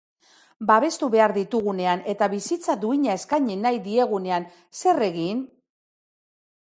Babestu behar ditugunean eta bizitza duina eskaini nahi diegunean, zer egin?